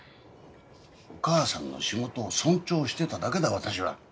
お母さんの仕事を尊重してただけだ私は。